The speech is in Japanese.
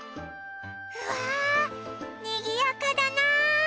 うわぁにぎやかだな。